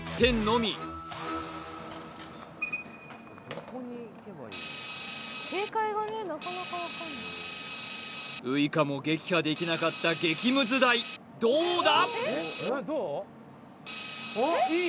そんな感じのウイカも撃破できなかった激ムズ台どうだ！？